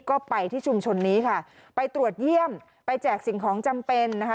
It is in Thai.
ก็ไปที่ชุมชนนี้ค่ะไปตรวจเยี่ยมไปแจกสิ่งของจำเป็นนะคะ